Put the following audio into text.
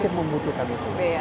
makin membutuhkan itu